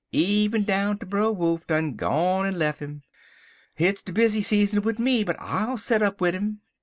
'Even down ter Brer Wolf done gone en lef' 'im. Hit's de busy season wid me, but I'll set up wid 'im.